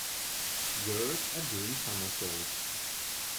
Girls are doing somersaults.